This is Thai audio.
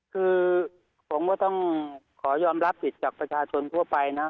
คือผมก็ต้องขอยอมรับผิดจากประชาชนทั่วไปนะ